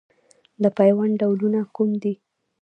د پیوند ډولونه کوم دي؟